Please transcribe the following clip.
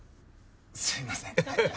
すいません。